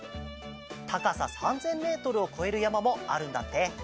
たかさ３，０００メートルをこえるやまもあるんだって。